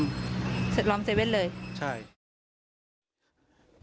ปิดล้อมเซเว่นเลยใช่